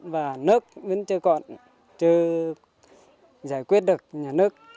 và nước vẫn chưa còn chưa giải quyết được nhà nước